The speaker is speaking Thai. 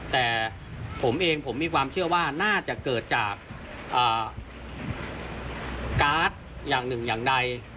แต่ผมเองผมมีความเชื่อว่าน่าจะเกิดจากการ์ดอย่างหนึ่งอย่างใด